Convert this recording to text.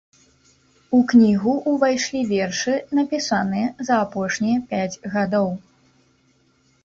У кнігу ўвайшлі вершы, напісаныя за апошнія пяць гадоў.